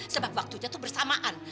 sebab waktu itu bersamaan